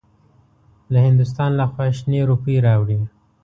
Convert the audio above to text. له هندوستان لخوا شنې روپۍ راوړې.